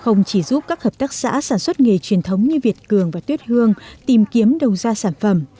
không chỉ giúp các hợp tác xã sản xuất nghề truyền thống như việt cường và tuyết hương tìm kiếm đầu ra sản phẩm